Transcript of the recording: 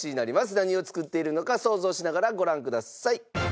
何を作っているのか想像しながらご覧ください。